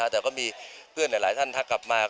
แต่ก็มีเพื่อนหลายท่านทักกลับมา